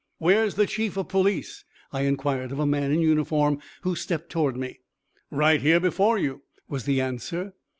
"Where's the Chief of Police?" I inquired of a man in uniform, who stepped toward me. "Right here before you," was the answer.